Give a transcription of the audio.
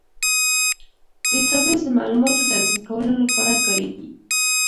ډیټابیس د معلوماتو تنظیم کولو لپاره کارېږي.